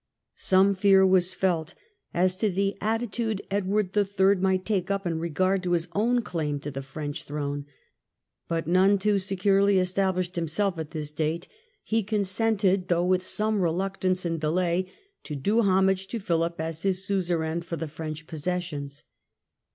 Some fear was felt as to the attitude Edward III. Relations might take up in regard to his own claim to the French g^gl^^d throne ; but none too securely established himself at this date, he consented, though with some reluctance and delay, to do homage to Philip as his suzerain for the French possessions.